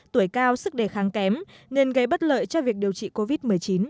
tuổi cao sức đề kháng kém nên gây bất lợi cho việc điều trị covid một mươi chín